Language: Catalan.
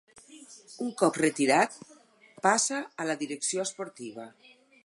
Un cop retirat, passa a la direcció esportiva.